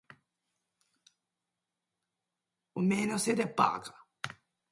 勝つことはできたんですけど、調子の波だったり、失点が多かったりした部分もあった。